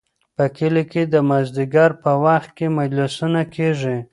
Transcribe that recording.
په کلي کې د مازدیګر په وخت کې مجلسونه کیږي.